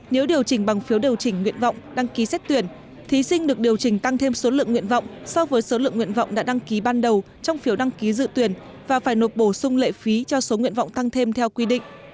nếu điều chỉnh bằng phiếu điều chỉnh nguyện vọng đăng ký xét tuyển thí sinh được điều chỉnh tăng thêm số lượng nguyện vọng so với số lượng nguyện vọng đã đăng ký ban đầu trong phiếu đăng ký dự tuyển và phải nộp bổ sung lệ phí cho số nguyện vọng tăng thêm theo quy định